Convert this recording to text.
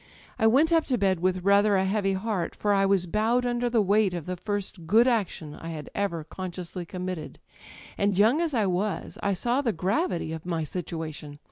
"I went up to bed with rather a heavy heart, for I was bowed under the weight of the first good action I had ever consciously committed; and young as I was, I saw the gravity of my situation.